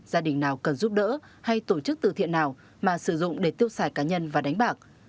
gia đình nào cần giúp đỡ hay tổ chức từ thiện nào mà sử dụng để tiêu xài cá nhân và đánh bạc